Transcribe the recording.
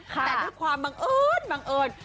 แต่ด้วยความบังเอิญ